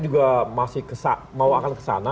juga masih mau akan kesana